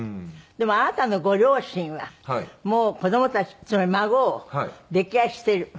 でもあなたのご両親は子供たちつまり孫を溺愛してる。